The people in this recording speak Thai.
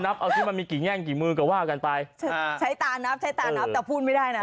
เอาสิมันมีกี่แง่งกี่มือก็ว่ากันไปใช่ใช้ตานับใช้ตานับแต่พูดไม่ได้นะ